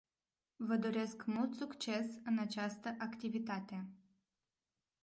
Vă doresc mult succes în această activitate.